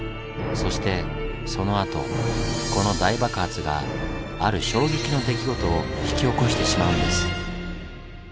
そしてそのあとこの大爆発がある衝撃の出来事を引き起こしてしまうんです。